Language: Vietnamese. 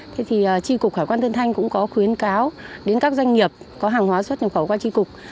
thế thì tri cục hải quan tân thanh cũng có khuyến cáo đến các doanh nghiệp có hàng hóa xuất nhập khẩu qua tri cục